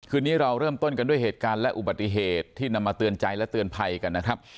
นี้เราเริ่มต้นกันด้วยเหตุการณ์และอุบัติเหตุที่นำมาเตือนใจและเตือนภัยกันนะครับ